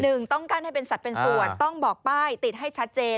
หนึ่งต้องกั้นให้เป็นสัตว์เป็นส่วนต้องบอกป้ายติดให้ชัดเจน